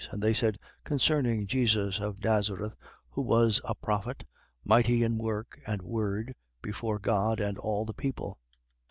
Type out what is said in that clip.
And they said: Concerning Jesus of Nazareth, who was a prophet, mighty in work and word before God and all the people.